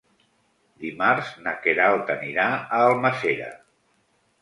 Dimarts na Queralt anirà a Almàssera.